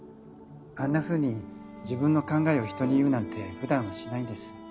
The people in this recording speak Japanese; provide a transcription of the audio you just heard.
あんなふうに自分の考えを人に言うなんて普段はしないんです。